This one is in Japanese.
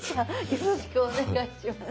よろしくお願いします。